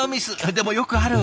でもよくある！